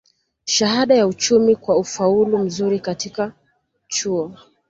shahada ya uchumi kwa ufaulu mzuri katika chuo